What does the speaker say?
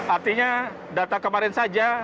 artinya data kemarin saja